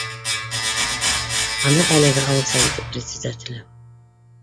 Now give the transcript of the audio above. Ана әлеге ауыл Советы председателе